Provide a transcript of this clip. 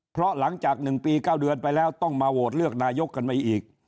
เพราะหลังจาก๑ปี๙เดือนไปแล้วต้องมาโหวตเลือกนายกกันไปอีก